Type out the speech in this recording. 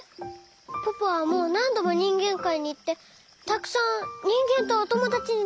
ポポはもうなんどもにんげんかいにいってたくさんにんげんとおともだちになったでしょ？